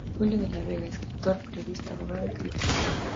Julio De la Vega, escritor, periodista, abogado y crítico.